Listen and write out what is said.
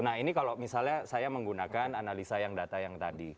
nah ini kalau misalnya saya menggunakan analisa yang data yang tadi